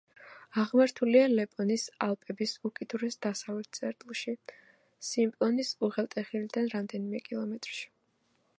აღმართულია ლეპონტის ალპების უკიდურეს დასავლეთ წერტილში, სიმპლონის უღელტეხილიდან რამდენიმე კილომეტრში.